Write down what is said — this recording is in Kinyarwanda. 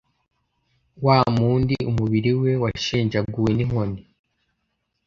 wa mundi umubiri we washenjaguwe n'inkoni,